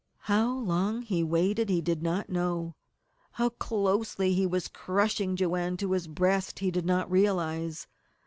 How long he waited he did not know; how closely he was crushing Joanne to his breast he did not realize.